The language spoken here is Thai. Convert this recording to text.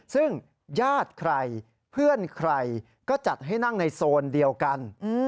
ซึ่งญาติใครเพื่อนใครก็จัดให้นั่งในโซนเดียวกัน